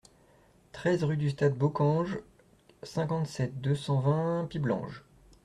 treize rue du Stade Bockange, cinquante-sept, deux cent vingt, Piblange